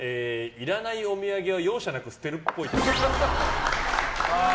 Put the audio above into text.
いらないお土産は容赦なく捨てるっぽい。